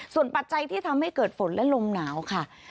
ส่วนปัจจัยที่ทำให้เกิดฝนและลมหนาวค่ะ